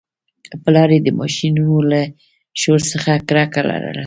پلار یې د ماشینونو له شور څخه کرکه لرله